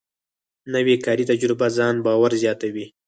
نوې کاري تجربه ځان باور زیاتوي